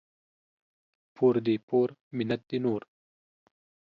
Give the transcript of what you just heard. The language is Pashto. پور دي پور ، منت دي نور.